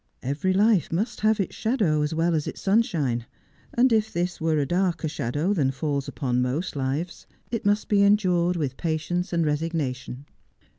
Every life must have its shadow as well as its sunshine ; and if this were a darker shadow than falls upon most lives, it must be endured with patience and resignation.